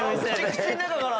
口の中から？